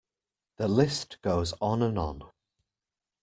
The list goes on and on.